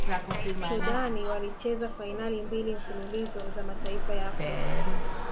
sudan walicheza fainali mbili mfululizo za mataifa ya afrika